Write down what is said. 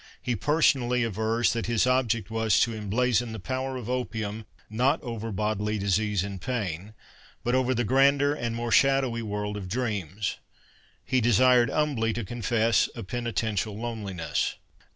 He personally avers that his object was to emblazon the power of opium, not over bodily disease and pain, but over the grander and more shadowy world of dreams. He desired Humbly to confess A penitential loneliness.